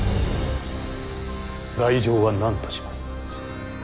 罪状は何とします。